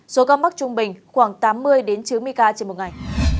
số ca mắc trung bình khoảng tám mươi đến chứa mica trên một ngày